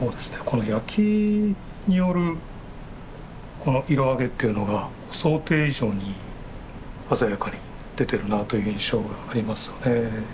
この焼きによるこの色あげっていうのが想定以上に鮮やかに出てるなという印象がありますよね。